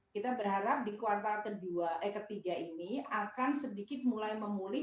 kita berharap di kuartal ke tiga ini akan sedikit mulai memulih